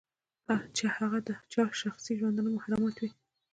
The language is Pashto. چې هغه د چا د شخصي ژوندانه محرمات وي.